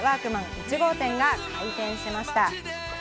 １号店が開店しました。